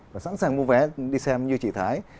và sẵn sàng mua vé đi xem như chị thái